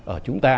ở chúng ta